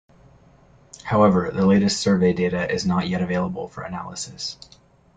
However, the latest survey data is not yet available for analysis.